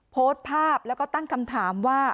โพสต์ภาพแล้วก็ตั้งคำถามว่า